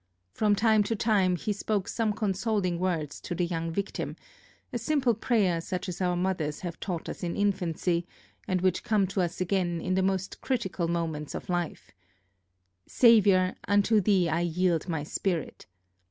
From time to time he spoke some consoling words to the young victim, a simple prayer such as our mothers have taught us in infancy, and which come to us again in the most critical moments of life: "Savior, unto thee I yield my spirit.